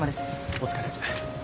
お疲れ。